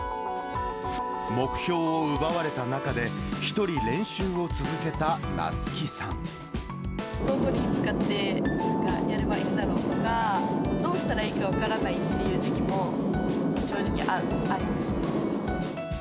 目標を奪われた中で、どこに向かってやればいいんだろうとか、どうしたらいいか分からないっていう時期も正直ありました。